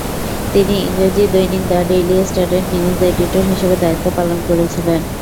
তিনি ইংরেজি দৈনিক দ্য ডেইলি স্টারের নিউজ এডিটর হিসাবে দায়িত্ব পালন করেছিলেন।